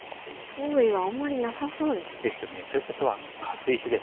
脅威はあんまりなさそうですね。ですよね。ということはカス石ですよね。